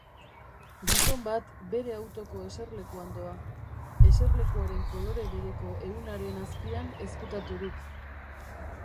Gizon bat bere autoko eserlekuan doa, eserlekuaren kolore bereko ehunaren azpian ezkutaturik.